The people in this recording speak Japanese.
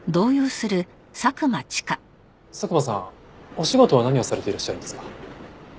お仕事は何をされていらっしゃるんですか？